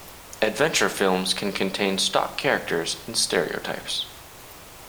Adventure films can contain stock characters and stereotypes.